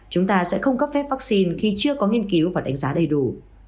chúng ta sẽ không cấp phép vaccine khi chưa có nghiên cứu và đánh giá đầy đủ